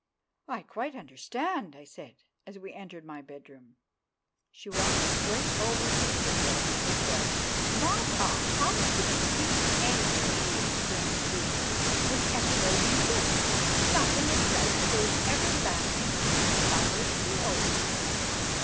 "I quite understand," I said, as we entered my bedroom. She walked straight over to the window and looked out. "Not a house to be seen anywhere," she exclaimed dismally, "whichever way you look; nothing in sight but those everlasting tree covered hills."